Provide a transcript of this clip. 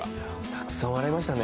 たくさん笑いましたね。